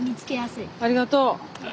ありがとう。